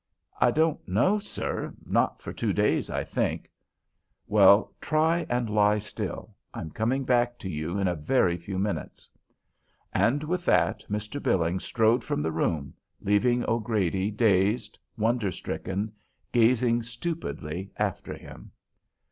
"I don't know, sir; not for two days, I think." "Well, try and lie still. I'm coming back to you in a very few minutes." And with that Mr. Billings strode from the room, leaving O'Grady, dazed, wonder stricken, gazing stupidly after him.